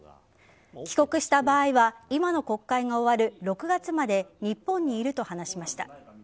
帰国した場合は今の国会が終わる６月まで日本にいると話しました。